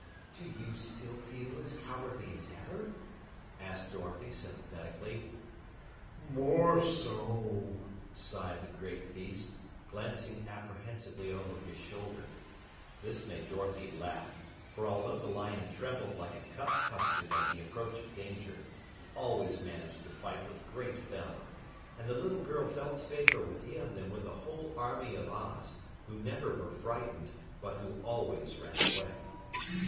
"Do you still feel as cowardly as ever?" asked Dorothy sympathetically. "More so!" sighed the great beast, glancing apprehensively over his shoulder. This made Dorothy laugh, for although the lion trembled like a cup custard at the approach of danger, he always managed to fight with great valor, and the little girl felt safer with him than with the whole army of Oz, who never were frightened but who always ran away.